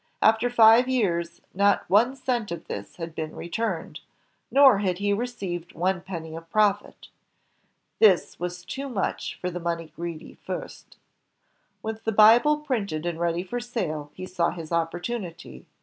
After five years, not one cent of this had been returned, nor had he received one penny of profit. This was too much for the money greedy Fust. With the Bible printed and ready for sale, he saw his opportunity.